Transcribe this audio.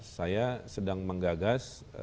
saya sedang menggagas